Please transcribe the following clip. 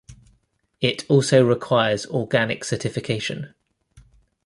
It also requires Organic certification.